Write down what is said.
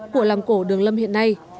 của lòng cổ đường lâm hiện nay